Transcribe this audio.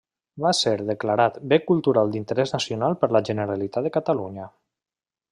Va ser declarat Bé Cultural d'Interès Nacional per la Generalitat de Catalunya.